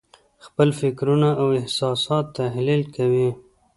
خپل فکرونه او احساسات تحلیل کوو.